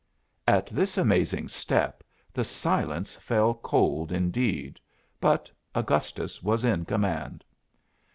At this amazing step the silence fell cold indeed; but Augustus was in command.